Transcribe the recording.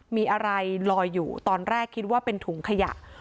มีอะไรลอยอยู่ตอนแรกคิดว่าเป็นถุงขยะ